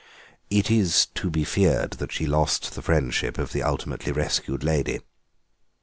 It is to be feared that she lost the friendship of the ultimately rescued lady.